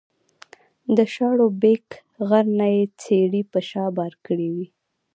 د شاړوبېک غر نه یې څېړۍ په شا بار کړې وې